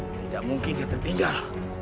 tidak mungkin dia sudah tertinggal